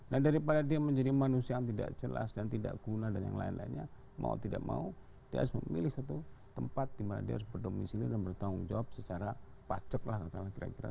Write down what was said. dan daripada dia menjadi manusia yang tidak jelas dan tidak guna dan yang lain lainnya mau tidak mau dia harus memilih satu tempat di mana dia harus berdominisi dan bertanggung jawab secara pacek lah kira kira